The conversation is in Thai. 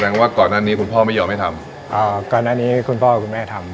ว่าก่อนหน้านี้คุณพ่อไม่ยอมให้ทำอ่าก่อนหน้านี้คุณพ่อคุณแม่ทำ